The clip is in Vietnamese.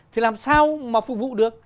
thì làm sao mà phục vụ được